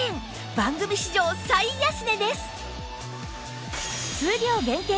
番組史上最安値です！